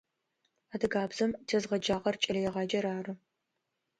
Адыгабзэм тезгъаджэрэр кӏэлэегъаджэр ары.